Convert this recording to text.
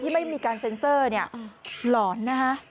ไม่มีการเซ็นเซอร์หลอนนะฮะ